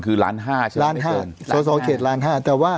คือ๑๕ล้านใช่มั้ยเกิน๑๕ล้าน๑๕ล้านถึง